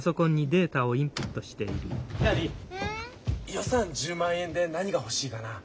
予算１０万円で何が欲しいかなあ？